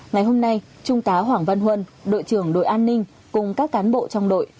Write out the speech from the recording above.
ngày hôm nay trung tá hoàng văn huân đội trưởng đội an ninh cùng các cán bộ trong đội